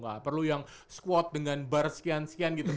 gak perlu yang squat dengan bar sekian sekian gitu